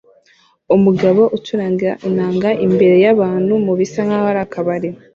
Umugabo ucuranga inanga imbere yabantu mubisa nkaho ari akabari